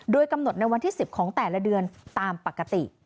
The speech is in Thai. โดยกำหนดในวันที่๑๐ของแต่ละเดือนตามปกติ